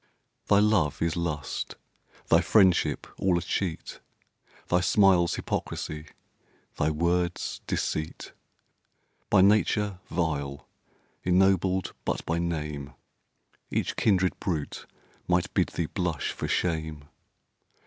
Thy love is lust, thy friendship all a cheat, Thy smiles hypocrisy, thy words deceit! By nature vile, ennobled but by name, Each kindred brute might bid thee blush for shame.